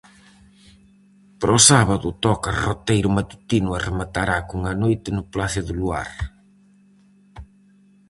Para o sábado toca roteiro matutino e rematará cunha noite no Plácido luar.